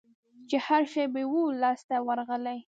چي هرشی به یې وو لاس ته ورغلی